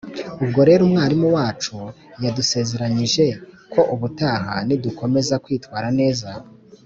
ubwo rero umwarimu wacu yadusezeranyije ko ubutaha nidukomeza kwitwara neza,